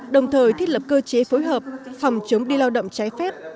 đồng thời thiết lập cơ chế phối hợp phòng chống đi lao động trái phép